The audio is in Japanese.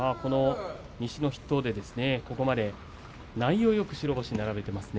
西の筆頭でここまで内容よく白星を並べていますね。